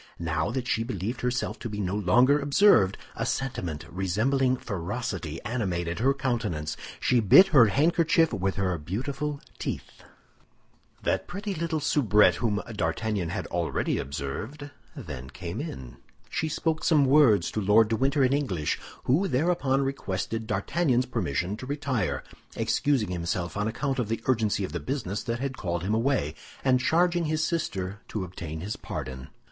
Now that she believed herself to be no longer observed, a sentiment resembling ferocity animated her countenance. She bit her handkerchief with her beautiful teeth. That pretty little soubrette whom D'Artagnan had already observed then came in. She spoke some words to Lord de Winter in English, who thereupon requested D'Artagnan's permission to retire, excusing himself on account of the urgency of the business that had called him away, and charging his sister to obtain his pardon.